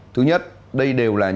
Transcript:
thứ nhất đây đều là những